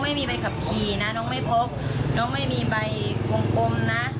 ไม่มีใบขับขี่ไม่มีใบไม่มีใบควงกลม